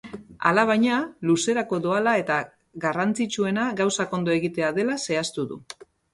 Alabaina, luzerako doala eta garrantzitsuena gauzak ondo egitea dela zehaztu du.